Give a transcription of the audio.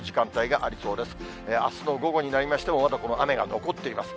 あすの午後になりましても、まだこの雨が残っています。